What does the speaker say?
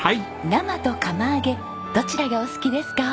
生と釜揚げどちらがお好きですか？